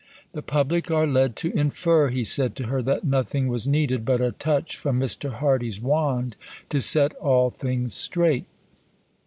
"The public are led to infer," he said to her, "that nothing was needed but a touch from Mr. Hardy's wand to set all things straight."